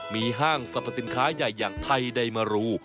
มีห้างสรรพสินค้าใหญ่อย่างไทยได้มารู